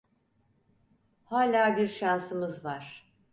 Hala bir şansımız var.